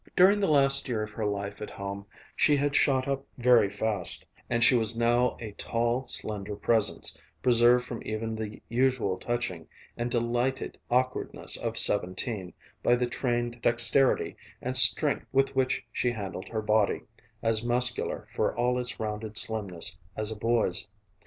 During the last year of her life at home she had shot up very fast, and she was now a tall, slender presence, preserved from even the usual touching and delightful awkwardness of seventeen by the trained dexterity and strength with which she handled her body, as muscular, for all its rounded slimness, as a boy's.